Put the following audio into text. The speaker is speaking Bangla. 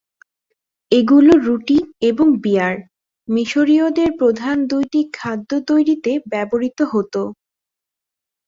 এগুলো রুটি এবং বিয়ার, মিশরীয়দের প্রধান দুইটি খাদ্য তৈরিতে ব্যবহৃত হত।